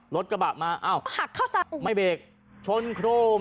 รถกระบาดมาอ้าวหักเข้าสร้างไม่เบรกชนโครง